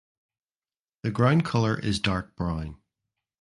The ground colour is dark brown.